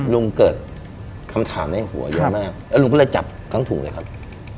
ลุงเกิดคำถามในหัวเยอะมากแล้วลุงก็เลยจับทั้งถุงเลยครับ